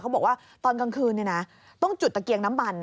บอกว่าตอนกลางคืนต้องจุดตะเกียงน้ำมัน